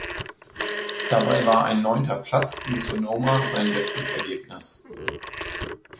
Dabei war ein neunter Platz in Sonoma sein bestes Ergebnis.